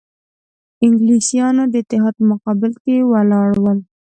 انګلیسیان د اتحاد په مقابل کې ولاړ ول.